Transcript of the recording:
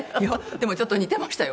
でもちょっと似てましたよ。